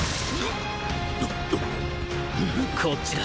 こっちだ。